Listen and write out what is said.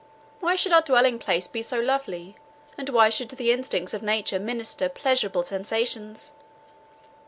Why should our dwelling place be so lovely, and why should the instincts of nature minister pleasurable sensations?